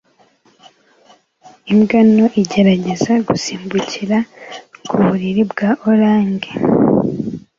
Imbwa nto igerageza gusimbukira ku buriri bwa orange